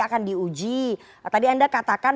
akan diuji tadi anda katakan